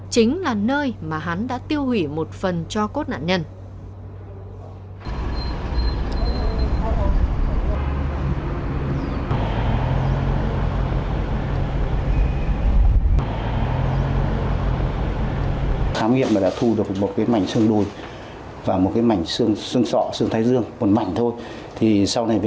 chính là nơi mà hắn đã tiêu hủy một phần cho cốt nạn nhân